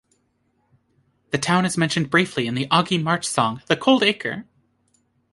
The town is mentioned briefly in the Augie March song The Cold Acre.